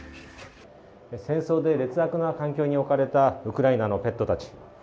戦争で劣悪な環境に置かれたウクライナのペットたち。